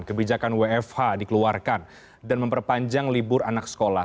kebijakan wfh dikeluarkan dan memperpanjang libur anak sekolah